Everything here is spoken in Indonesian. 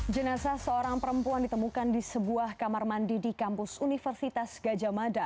jenasa seorang perempuan ditemukan di sebuah kamar mandi di kampus universitas gajah mada